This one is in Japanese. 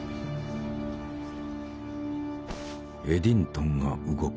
エディントンが動く。